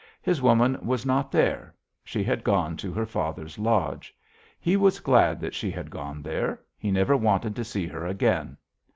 His woman was not there; she had gone to her father's lodge. He was glad that she had gone there; he never wanted to see her again.